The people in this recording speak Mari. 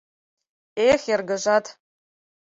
Эх, эргыжат...